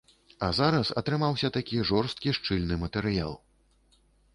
А зараз атрымаўся такі жорсткі шчыльны матэрыял.